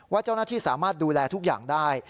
เจ้าหน้าที่สามารถดูแลทุกอย่างได้